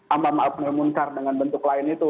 ampun ampun mengungkar dengan bentuk lain itu